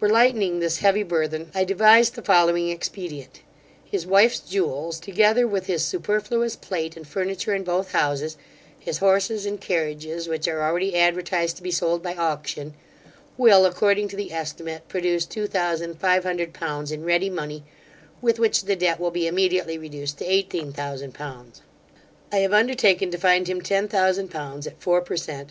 For lightening this heavy burthen, I devised the following expedient. His wife's jewels, together with his superfluous plate and furniture in both houses, his horses and carriages, which are already advertised to be sold by auction, will, according to the estimate, produce two thousand five hundred pounds in ready money, with which the debt will be immediately reduced to eighteen thousand pounds I have undertaken to find him ten thousand pounds at four per cent.